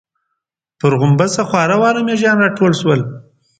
پر غومبسه خواره واره مېږيان راټول شول.